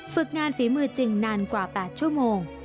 ฝึกงานฝีมือจริงนานกว่า๘ชั่วโมง